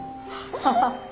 アハハハ。